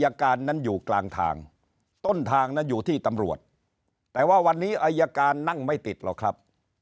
การนั้นอยู่กลางทางต้นทางนั้นอยู่ที่ตำรวจแต่ว่าวันนี้อายการนั่งไม่ติดหรอกครับ